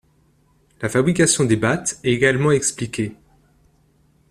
La fabrication des battes est également expliquée.